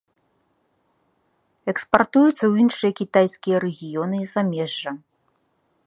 Экспартуецца ў іншыя кітайская рэгіёны і замежжа.